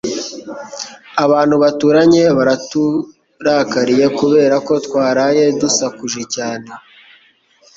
Abantu baturanye baraturakariye kubera ko twaraye dusakuje cyane